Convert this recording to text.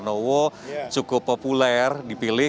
ranowo cukup populer dipilih